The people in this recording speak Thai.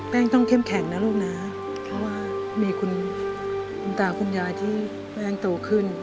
ต้องเข้มแข็งนะลูกนะเพราะว่ามีคุณตาคุณยายที่แป้งโตขึ้น